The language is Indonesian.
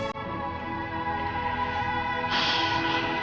kerana ada dengan ohh independentatives